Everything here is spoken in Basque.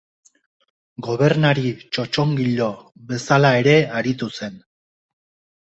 Gobernari txotxongilo bezala ere aritu zen.